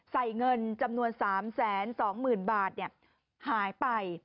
เงินจำนวน๓๒๐๐๐บาทหายไป